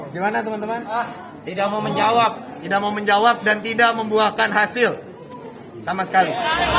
gimana teman teman ah tidak mau menjawab tidak mau menjawab dan tidak membuahkan hasil sama sekali